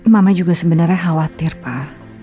mama juga sebenarnya khawatir pak